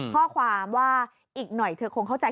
ข้อความว่าอีกหน่อยเธอคงเข้าใจ